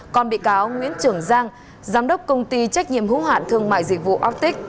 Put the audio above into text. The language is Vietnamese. còn bị cáo nguyễn trường giang giám đốc công ty trách nhiệm hữu hạn thương mại dịch vụ oftic